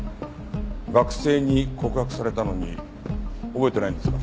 学生に告白されたのに覚えてないんですか？